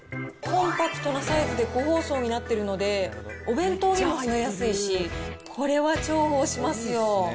コンパクトなサイズで個包装になってるので、お弁当にも使いやすいし、これは重宝しますよ。